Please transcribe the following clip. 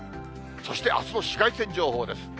そしてあすの紫外線情報です。